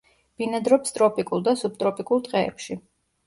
ბინადრობს ტროპიკულ და სუბტროპიკულ ტყეებში.